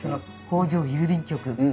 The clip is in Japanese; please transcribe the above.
「北条郵便局」。